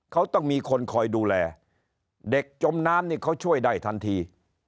เขาต้องมีคนคอยดูแลเด็กจมน้ำนี่เขาช่วยได้ทันที